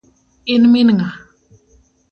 In min ng'a?